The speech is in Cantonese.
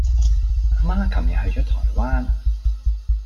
阿媽琴日去左台灣